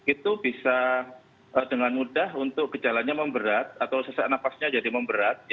itu bisa dengan mudah untuk gejalanya memberat atau sesak nafasnya jadi memberat